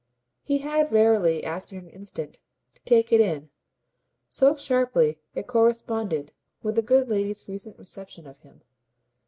He had verily after an instant to take it in, so sharply it corresponded with the good lady's recent reception of him.